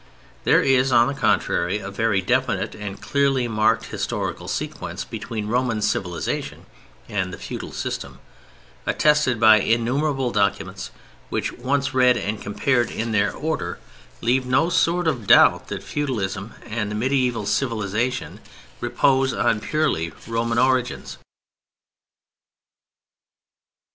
There is, on the contrary, a very definite and clearly marked historical sequence between Roman civilization and the feudal system, attested by innumerable documents which, once read and compared in their order, leave no sort of doubt that feudalism and the mediæval civilization repose on purely Roman origins.